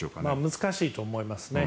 難しいと思いますね。